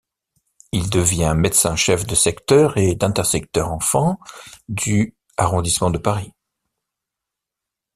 Il devient médecin chef de secteur et d'intersecteur enfants, du arrondissement de Paris.